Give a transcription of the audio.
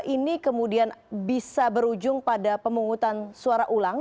ini kemudian bisa berujung pada pemungutan suara ulang